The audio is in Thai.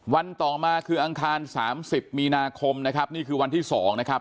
วันต่อมาคืออังคารสามสิบมีนาคมนะครับนี่คือวันที่สองนะครับ